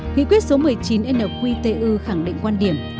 nghị quyết số một mươi chín nqtu khẳng định quan điểm